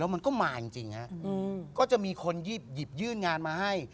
มันก็มาจริงฮะก็จะมีคนหยิบยื่นงานมาให้